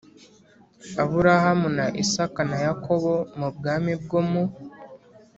Aburahamu na Isaka na Yakobo mu bwami bwo mu